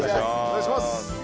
お願いします！